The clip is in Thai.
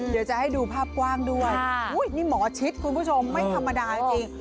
เดี๋ยวจะให้ดูภาพกว้างด้วยอุ้ยนี่หมอชิดคุณผู้ชมไม่ธรรมดาจริง